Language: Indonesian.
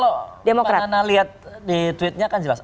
bahkan kalau pak nana lihat di tweetnya kan jelas